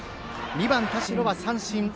２番の田代は三振。